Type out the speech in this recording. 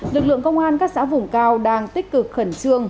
lực lượng công an các xã vùng cao đang tích cực khẩn trương